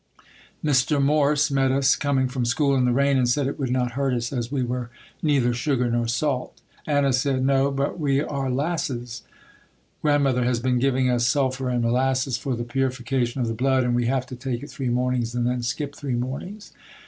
Mr. Morse met us coming from school in the rain and said it would not hurt us as we were neither sugar nor salt. Anna said, "No, but we are 'lasses." Grandmother has been giving us sulphur and molasses for the purification of the blood and we have to take it three mornings and then skip three mornings.